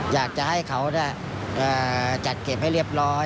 อยากจะให้เขาจัดเก็บให้เรียบร้อย